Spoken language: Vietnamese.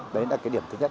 đấy là cái điểm thứ nhất